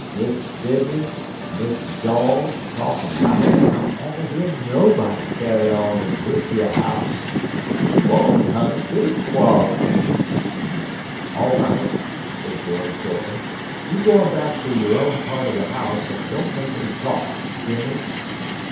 Mist' Sydney an' Mist' Jawge talkin' louduh'n I evuh heah nobody ca'y on in nish heah house! Quollin', honey, big quollin'!" "All right," said George shortly. "You go on back to your own part of the house, and don't make any talk. Hear me?"